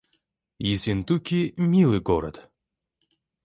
Ессентуки — милый город